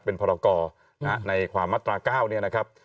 เป็นพรกรในความมาตรา๙เนี่ยนะครับ